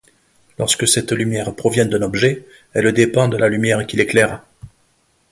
Lorsque cette lumière provient d'un objet, elle dépend de la lumière qui l'éclaire.